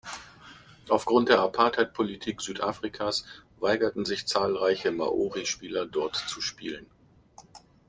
Aufgrund der Apartheid-Politik Südafrikas weigerten sich zahlreiche Māori-Spieler, dort zu spielen.